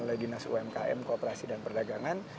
oleh dinas umkm kooperasi dan perdagangan